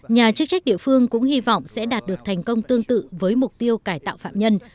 nhà chức trách địa phương cũng hy vọng sẽ đạt được thành công tương tự với mục tiêu cải tạo phạm nhân